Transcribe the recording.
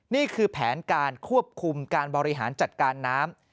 นี่คือแผนการควบคุมการบริหารจัดการน้ำ